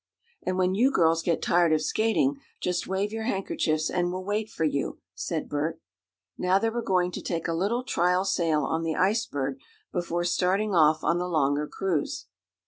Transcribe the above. "And when you girls get tired of skating just wave your handkerchiefs, and we'll wait for you," said Bert. Now they were going to take a little trial sail on the Ice Bird before starting off on the longer cruise.